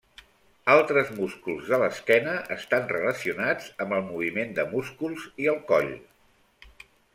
Altres músculs de l'esquena estan relacionats amb el moviment de músculs i el coll.